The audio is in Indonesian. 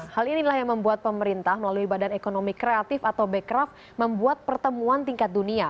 hal inilah yang membuat pemerintah melalui badan ekonomi kreatif atau bekraf membuat pertemuan tingkat dunia